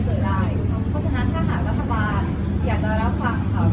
เพราะฉะนั้นถ้ารัฐบาลอยากจะรับฟัง